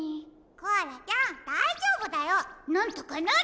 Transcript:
コアラちゃんだいじょうぶだよなんとかなる！